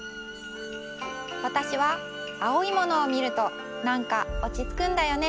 わたしは青いものをみるとなんかおちつくんだよね。